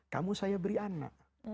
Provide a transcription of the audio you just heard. kamu saya beri anak